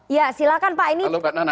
ya silahkan pak ini